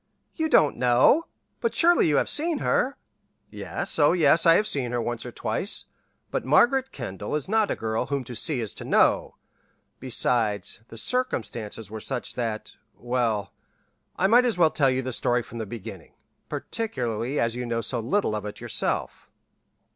"You don't know! But, surely you have seen her!" "Yes, oh, yes, I have seen her, once or twice, but Margaret Kendall is not a girl whom to see is to know; besides, the circumstances were such that well, I might as well tell the story from the beginning, particularly as you know so little of it yourself."